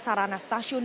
di antara sarana stasiun